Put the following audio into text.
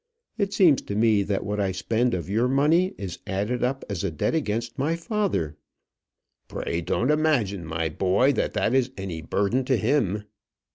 It seems to me that what I spend of your money is added up as a debt against my father " "Pray don't imagine, my boy, that that is any burden to him."